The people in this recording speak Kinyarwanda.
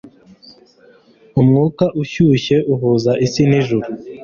umwuka ushyushye uhuza isi n'ijuru